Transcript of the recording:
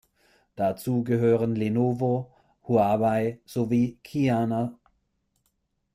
Dazu gehören Lenovo, Huawei sowie Chinas vier Telekommunikationsunternehmen.